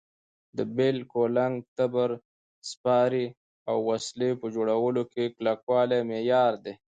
د بېل، کولنګ، تبر، سپارې او وسلې په جوړولو کې کلکوالی معیار دی.